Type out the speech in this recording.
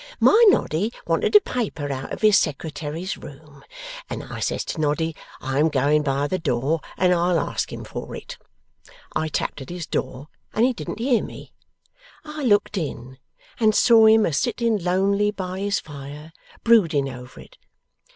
My Noddy wanted a paper out of his Secretary's room, and I says to Noddy, "I am going by the door, and I'll ask him for it." I tapped at his door, and he didn't hear me. I looked in, and saw him a sitting lonely by his fire, brooding over it.